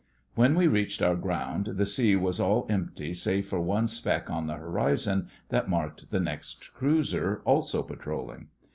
When we reached our ground the sea was all empty save for one speck on the horizon that marked the next cruiser, also patrolling.